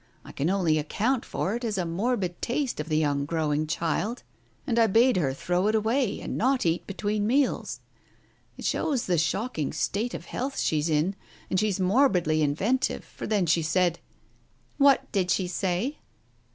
I can only account for it as a morbid taste of the young growing child, and I bade her throw it away, and not eat between meals. It shows the shocking state of health she's in, and she's morbidly inventive, for then she said " "What did she say?"